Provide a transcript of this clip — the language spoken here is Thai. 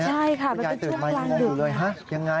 ใช่ค่ะมันเป็นช่วงกลางดึงนะ